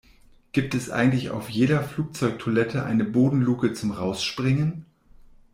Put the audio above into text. Gibt es eigentlich auf jeder Flugzeugtoilette eine Bodenluke zum Rausspringen?